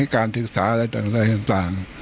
การศึกษาแต่ละต่าง